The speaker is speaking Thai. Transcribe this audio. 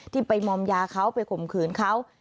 ที่ไปมอมยาเขาไปข่มขืนเขา